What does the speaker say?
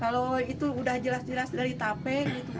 kalau itu udah jelas jelas dari tape gitu